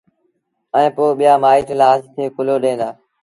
ائيٚݩ پو ٻيآ مآئيٚٽ لآش کي ڪُلهو ڏيݩ دآ